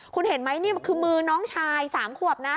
คุณเห็นไหมนี่คือมือน้องชาย๓ขวบนะ